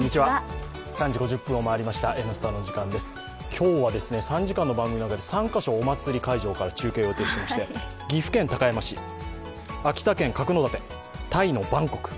今日は３時間の番組の中で３か所お祭り会場から中継を予定していまして岐阜県高山市、秋田県・角館、タイのバンコク。